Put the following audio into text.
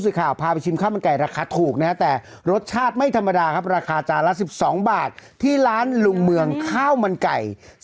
ข่าวพาไปชิมข้าวมันไก่ราคาถูกนะแต่รสชาติไม่ธรรมดาครับราคาจานละ๑๒บาทที่ร้านลุงเมืองข้าวมันไก่